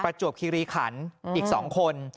จวบคิริขันอีก๒คน